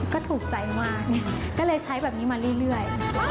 ก็ถูกใจมากก็เลยใช้แบบนี้มาเรื่อย